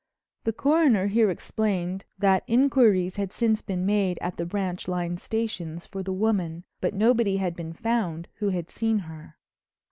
The Coroner here explained that inquiries had since been made at the branch line stations for the woman but nobody had been found who had seen her.